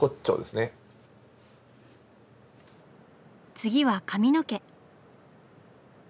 次は髪の毛。